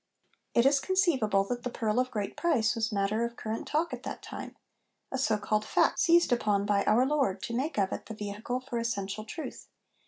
It is conceivable that the 'pearl of great price' was matter of current talk at the time ; a so called ' fact ' seized upon by our Lord to make of it the vehicle for essential truth.